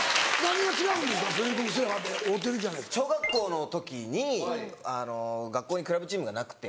小学校の時に学校にクラブチームがなくて。